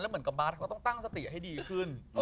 เหมือนกับบาสก็ต้องตั้งสติให้ดีขึ้น